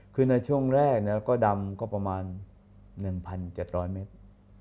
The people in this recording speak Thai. คือในช่วงแรกก็ดำก็ประมาณ๑๗๐๐เมตร